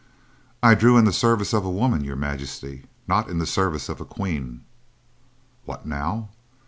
"I drew in the service of a woman, Your Majesty, not in the service of a queen." "What now!